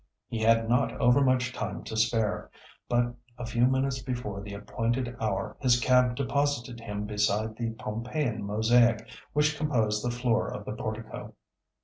He had not overmuch time to spare, but a few minutes before the appointed hour his cab deposited him beside the Pompeian mosaic which composed the floor of the portico.